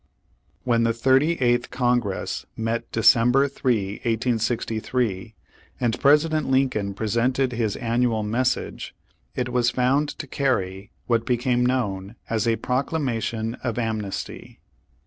When the Thirty eighth Congress met Decem ber 3, 1863, and President Lincoln presented his annual message, it was found to carry what be came known as a Proclamation of Amnesty.